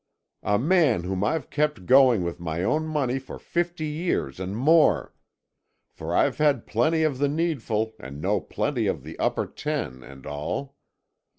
"A man whom I've kept going with my own money for fifty years and more. For I've had plenty of the needful and known plenty of the upper ten and all.